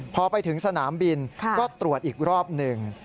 พอไปถึงสนามบินก็ตรวจอีกรอบหนึ่ง